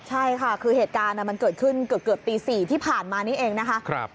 ใช่ค่ะคือเหตุการณ์มันเกิดขึ้นเกือบตี๔ที่ผ่านมานี้เองนะคะ